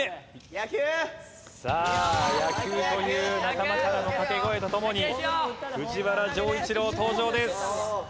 「野球！」という仲間からの掛け声とともに藤原丈一郎登場です。